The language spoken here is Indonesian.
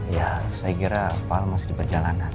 ya saya kira pak al masih di perjalanan